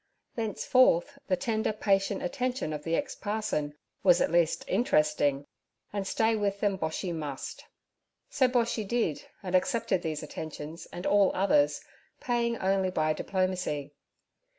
Thenceforth the tender, patient attention of the ex parson was at least interesting, and stay with them Boshy must; so Boshy did, and accepted these attentions and all others, paying only by diplomacy.